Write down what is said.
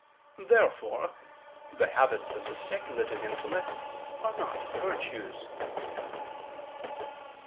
Therefore the habits of the speculative intellect are not virtues.